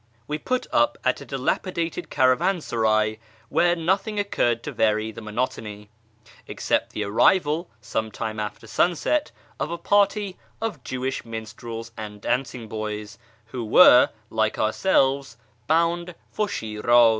We put up at a dilapidated caravansaray, where nothing occurred to vary the monotony, except the arrival, some time after sunset, of a party of Jewish minstrels and dancing boys, who were, like ourselves, bound for Shiraz.